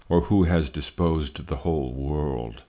or who has disposed the whole World!